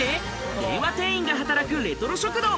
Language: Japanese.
令和店員が働くレトロ食堂。